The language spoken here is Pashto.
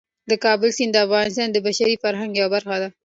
د کابل سیند د افغانستان د بشري فرهنګ یوه برخه ده.